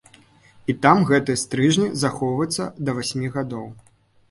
І там гэтыя стрыжні захоўваюцца да васьмі гадоў.